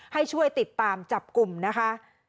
ให้ช่วยติดตามจับกลุ่มนะคะ